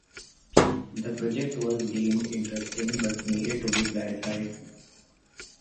The project was deemed interesting but needed to be clarified.